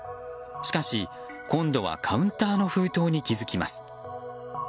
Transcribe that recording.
しかし、今度はカウンターの封筒に気づきます。